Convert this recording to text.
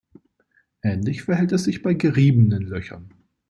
Ähnlich verhält es sich bei geriebenen Löchern.